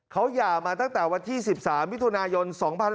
เขาหย่ามาตั้งแต่วันที่๑๓มิถุนายน๒๕๖๒